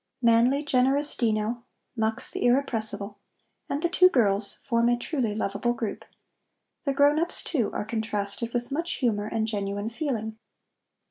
Manly, generous Dino; Mux, the irrepressible; and the two girls form a truly lovable group. The grown ups, too, are contrasted with much humor and genuine feeling.